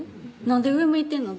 なんで上向いてんの？